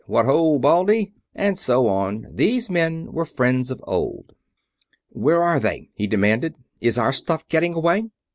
What ho, Baldy!" and so on. These men were friends of old. "Where are they?" he demanded. "Is our stuff getting away?